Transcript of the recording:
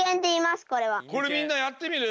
これみんなやってみる？